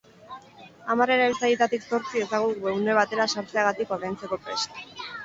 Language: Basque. Hamar erabiltzaileetatik zortzi ez dago webgune batera sartzeagatik ordaintzeko prest.